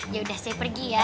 ya udah saya pergi ya